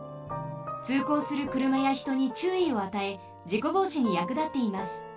つうこうするくるまやひとにちゅういをあたえじこぼうしにやくだっています。